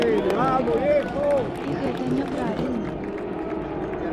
І гэта не правільна.